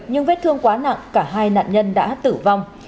nhưng vết thương quá nặng cả hai nạn nhân đã tử vong